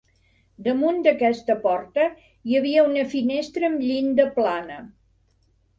Damunt d'aquesta porta hi havia una finestra amb llinda plana.